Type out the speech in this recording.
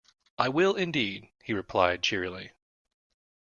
"I will, indeed," he replied cheerily.